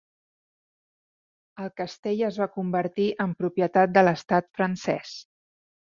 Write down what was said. El castell es va convertir en propietat de l'estat francès.